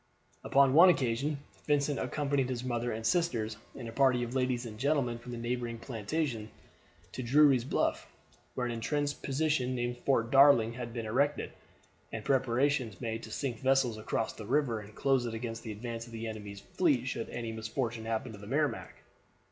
Upon one occasion Vincent accompanied his mother and sisters, and a party of ladies and gentlemen from the neighboring plantations, to Drury's Bluff, where an entrenched position named Fort Darling had been erected, and preparations made to sink vessels across the river, and close it against the advance of the enemy's fleet should any misfortune happen to the Merrimac.